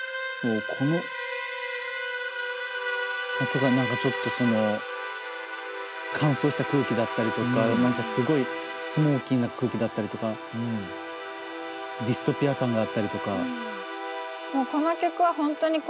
音が何かちょっとその乾燥した空気だったりとかすごいスモーキーな空気だったりとかディストピア感があったりとか。